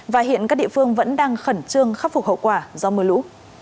và hiện các địa phương vẫn đang khẩn trương khắc phục hậu quả do mưa lũ